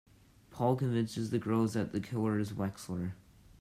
Paul convinces the girls that the killer is Wexler.